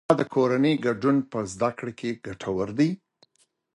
آیا د کورنۍ ګډون په زده کړه کې ګټور دی؟